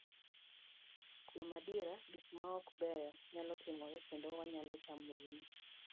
Kuom adier, gik maok beyo nyalo timore, kendo wanyalo chamo ring'o.